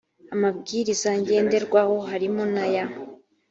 amabwiriza ngenderwaho harimo naya